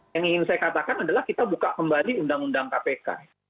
yang ingin saya katakan adalah kita buka kembali undang undang kpk